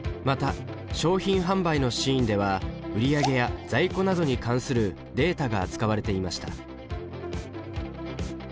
また商品販売のシーンでは売り上げや在庫などに関するデータが扱われていました。